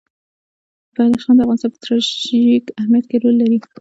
بدخشان د افغانستان په ستراتیژیک اهمیت کې رول لري.